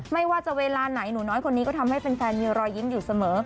ไม่ว่าจะเวลาไหนหนูน้อยคนนี้ก็ทำให้แฟนมีรอยยิ้มอยู่เสมอ